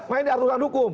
main di artusan hukum